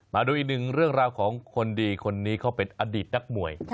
มาดูอีกหนึ่งเรื่องราวของคนดีคนนี้เขาเป็นอดีตนักมวย